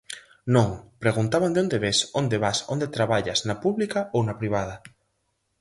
Non, preguntaban de onde ves, onde vas, onde traballas, na pública ou na privada.